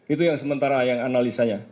itu yang sementara yang analisanya